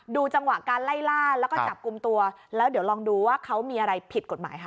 จังหวะการไล่ล่าแล้วก็จับกลุ่มตัวแล้วเดี๋ยวลองดูว่าเขามีอะไรผิดกฎหมายค่ะ